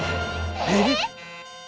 えっ？